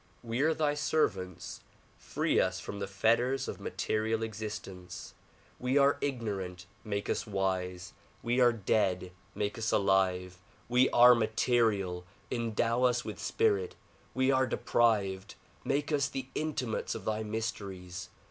We are thy servants; free us from the fetters of material existence. We are ignorant ; make us wise. We are dead ; make us alive. We are material ; endow us with spirit. We are deprived; make us the intimates of thy mys teries.